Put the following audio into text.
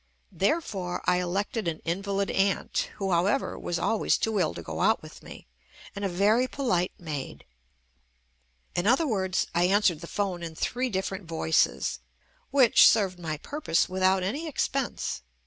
Therefore, I elected an invalid aunt (who, however, was always too ill to go out with me) and a very polite maid. In other words, I an swered the phone in three different voices, which served my purpose without any expense.